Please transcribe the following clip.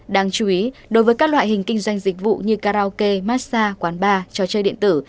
đáng chú ý đối với các loại hình kinh doanh dịch vụ như karaoke massage quán bar trò chơi điện tử